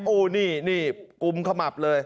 โอ้นี่นี่กุมขมับเลย